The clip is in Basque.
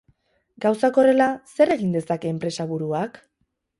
Gauzak horrela, zer egin dezake enpresaburuak?